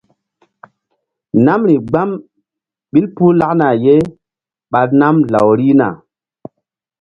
Namri gbam ɓil puh lakna ye ɓa nam law rihna.